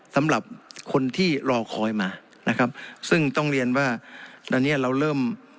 สำหรับคนที่รอคอยมานะครับซึ่งต้องเรียนว่าตอนเนี้ยเราเริ่ม